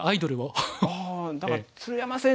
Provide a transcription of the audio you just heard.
ああだから鶴山先生